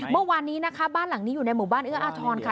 เมื่อวานนี้นะคะบ้านหลังนี้อยู่ในหมู่บ้านเอื้ออาทรค่ะ